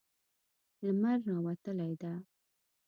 لمر راوتلی ده